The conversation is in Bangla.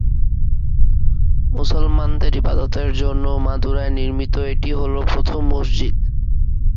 মুসলমানদের ইবাদতের জন্য মাদুরায় নির্মিত এটি হল প্রথম মসজিদ।